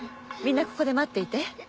みんなここで待っていて。